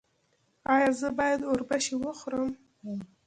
ایا زه باید اوربشې وخورم؟